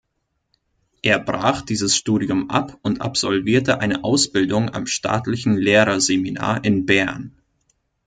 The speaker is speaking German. Er brach dieses Studium ab und absolvierte eine Ausbildung am Staatlichen Lehrerseminar in Bern.